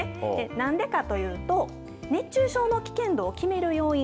何でかというと熱中症の危険度を決める要因